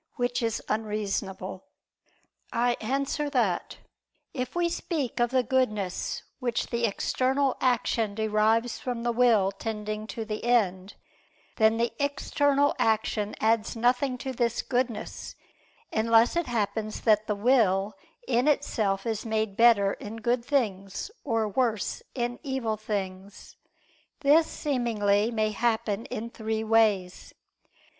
Which is unreasonable. I answer that, If we speak of the goodness which the external action derives from the will tending to the end, then the external action adds nothing to this goodness, unless it happens that the will in itself is made better in good things, or worse in evil things. This, seemingly, may happen in three ways.